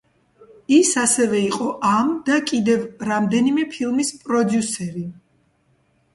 ის ასევე იყო ამ და კიდევ რამდენიმე ფილმის პროდიუსერი.